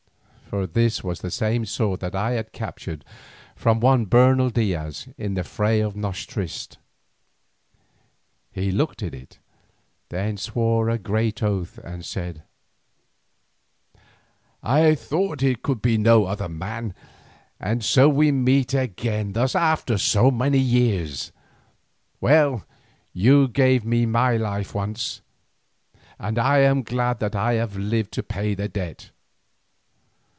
For this was the same sword that I had captured from one Bernal Diaz in the fray of the noche triste. He looked at it, then swore a great oath and said: "I thought that it could be no other man. And so we meet again thus after so many years. Well, you gave me my life once, and I am glad that I have lived to pay the debt.